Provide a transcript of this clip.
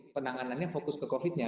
penanganannya fokus ke covid nya